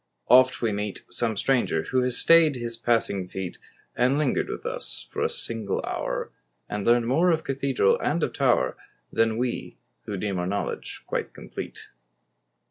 Oft we meet Some stranger who has staid his passing feet And lingered with us for a single hour, And learned more of cathedral, and of tower, Than we who deem our knowledge quite complete.